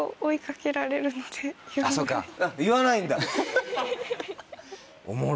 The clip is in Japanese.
言わないんだ！